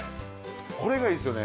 これがいいですよね